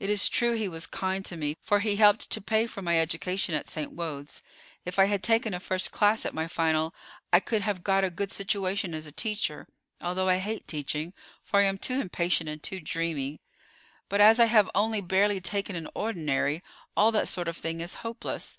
It is true he was kind to me, for he helped to pay for my education at St. Wode's. If I had taken a first class at my final I could have got a good situation as a teacher, although I hate teaching, for I am too impatient and too dreamy; but as I have only barely taken an ordinary, all that sort of thing is hopeless.